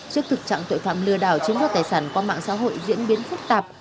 trước thực trạng tội phạm lừa đảo chính do tài sản qua mạng xã hội diễn biến phức tạp